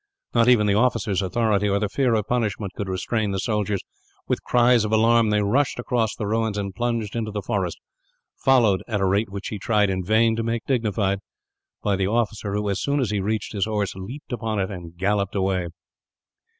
Not even the officer's authority, or the fear of punishment, could restrain the soldiers. With cries of alarm, they rushed across the ruins and plunged into the forest; followed, at a rate which he tried in vain to make dignified, by the officer who, as soon as he reached his horse, leapt upon it and galloped away.